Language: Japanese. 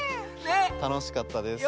たのしかったです。